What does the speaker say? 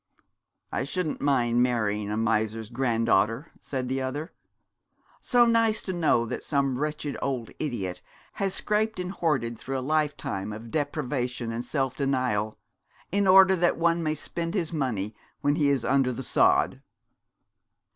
'I shouldn't mind marrying a miser's granddaughter,' said the other. 'So nice to know that some wretched old idiot has scraped and hoarded through a lifetime of deprivation and self denial, in order that one may spend his money when he is under the sod.'